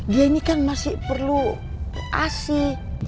dia ini kan masih perlu asi